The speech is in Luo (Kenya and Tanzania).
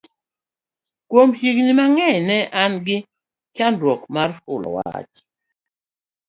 kuom higni mang'eny ne an gi chandruok mar fulo weche